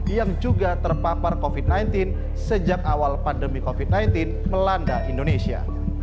yang juga terpapar covid sembilan belas sejak awal pandemi covid sembilan belas melanda indonesia